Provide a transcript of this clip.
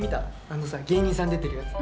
あのさ芸人さん出てるやつ。